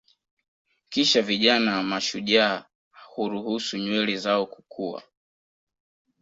Kisha vijana mashujaa huruhusu nywele zao kukua